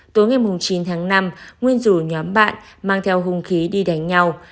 tối ngày chín tháng năm nguyên rủ nhóm bạn mang theo hung khí đi đánh nhau